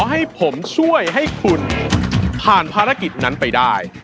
ให้ผมช่วยให้คุณผ่านภารกิจนั้นไปได้